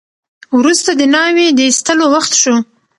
وروسته د ناوې د ایستلو وخت شو.